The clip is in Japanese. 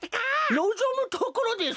のぞむところです！